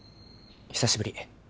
久しぶり。